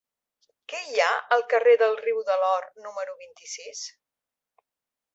Què hi ha al carrer del Riu de l'Or número vint-i-sis?